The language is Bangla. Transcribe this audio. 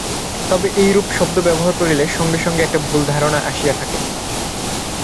তবে এইরূপ শব্দ ব্যবহার করিলে সঙ্গে সঙ্গে একটা ভুল ধারণা আসিয়া থাকে।